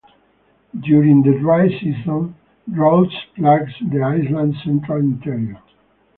During the dry season, drought plagues the island's central interior.